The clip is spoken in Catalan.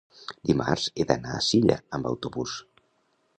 Dimarts he d'anar a Silla amb autobús.